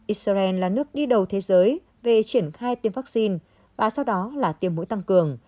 israel là nước đi đầu thế giới về triển khai tiêm vaccine và sau đó là tiêm mũi tăng cường